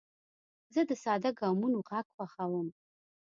زه د ساده ګامونو غږ خوښوم.